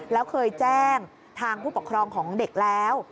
แล้วเคยแจ้งทางผู้ปกครองของเด็กแล้ว